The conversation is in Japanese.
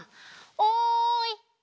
おい！